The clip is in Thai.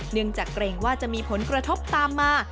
เนื่องจากเกรงว่าจะมีผลกระทบตามมา